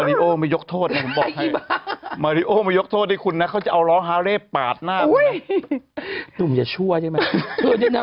เหมาะกับมายลิโอมายกโทษนะผมบอกให้ไอ้อี๋บ๊ะ